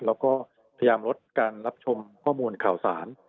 เราก็พยายามลดการรับชมข้อมูลข่าวสาร